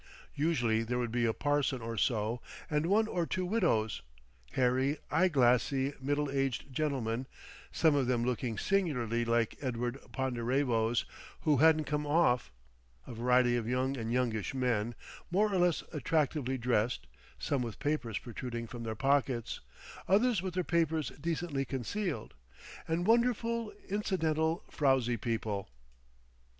Usually there would be a parson or so, and one or two widows; hairy, eyeglassy, middle aged gentlemen, some of them looking singularly like Edward Ponderevos who hadn't come off, a variety of young and youngish men more or less attractively dressed, some with papers protruding from their pockets, others with their papers decently concealed. And wonderful, incidental, frowsy people.